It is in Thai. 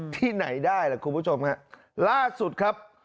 ที่ไหนได้ล่ะล่าสุดครับ